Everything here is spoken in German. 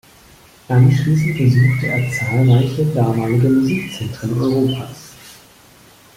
Anschließend besuchte er zahlreiche damalige Musikzentren Europas.